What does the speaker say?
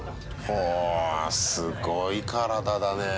ほおすごい体だね。